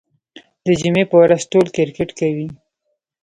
د جمعې په ورځ ټول کرکټ کوي.